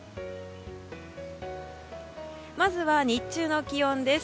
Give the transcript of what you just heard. まずは、日中の気温です。